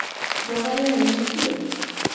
জমা দেয়ার নিয়ম ছিল?